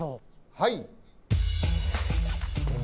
はい。